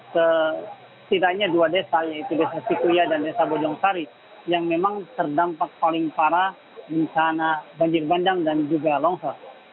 ke setidaknya dua desa yaitu desa sikuya dan desa bojongkari yang memang terdampak paling parah di sana banjir bandang dan juga longsor